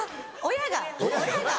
親が？